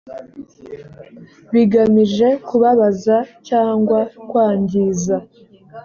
bigamije kubabaza cyangwa kwangiza